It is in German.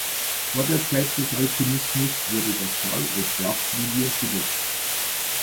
Vor der Zeit des Alpinismus wurde das Tal als Jagdrevier genutzt.